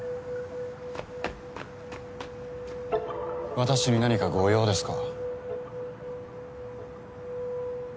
・私に何かご用ですか？